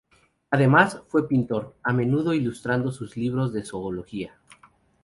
Además fue pintor, a menudo ilustrando sus libros de zoología.